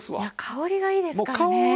いや香りがいいですからね。